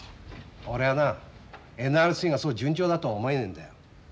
俺はなＮＲＣがそう順調だとは思えねえんだよ。